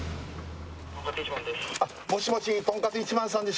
もしもし？